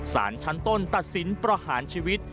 สารชั้นต้นตัดสินประหารชีวิต